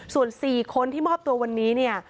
ส่วน๔คนที่มอบตัววันนี้เนี่ย